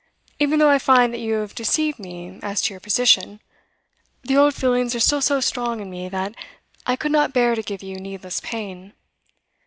Even though I find that you have deceived me as to your position, the old feelings are still so strong in me that I could not bear to give you needless pain.